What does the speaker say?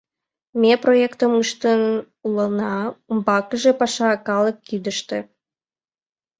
Ме проектым ыштен улына, умбакыже паша — калык кидыште.